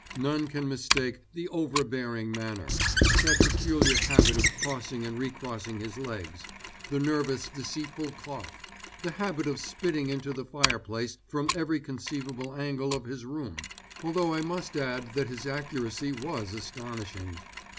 None can mistake 'the overbearing manner,' 'that peculiar habit of crossing and recrossing his legs,' 'the nervous, deceitful cough,' 'the habit of spitting into the fireplace from every conceivable angle of his room,' although I must add that his accuracy was astonishing.